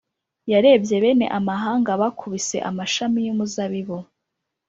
Yarabye bene amahanga bakubise amashami y umuzabibu